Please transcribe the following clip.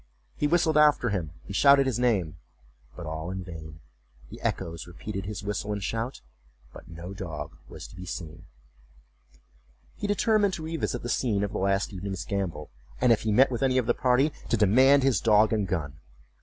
He whistled after him and shouted his name, but all in vain; the echoes repeated his whistle and shout, but no dog was to be seen. He determined to revisit the scene of the last evening's gambol, and if he met with any of the party, to demand his dog and gun.